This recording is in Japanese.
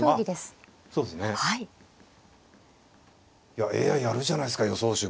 いやＡＩやるじゃないですか予想手。